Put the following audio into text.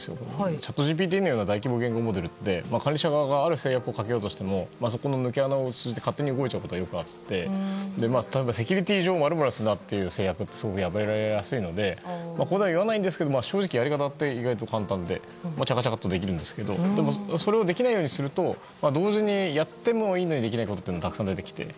チャットＧＰＴのような大規模言語モデルって会社側がある制約をかけようとしてもそこの抜け穴をついて勝手に動くことがよくあってセキュリティー上の制約ってすごい破られやすいのでここでは言わないんですけど正直やり方は意外と簡単でチャチャっとできるんですけどそれをできないようにすると同時にやってもいいのにできないことが出てきて。